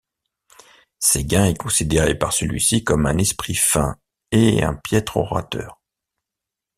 Séguin est considéré par celui-ci comme un esprit fin et un piètre orateur.